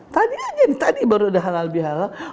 tadi aja yang tadi baru udah halal bihalal